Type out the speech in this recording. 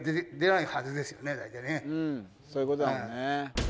そういうことだもんね。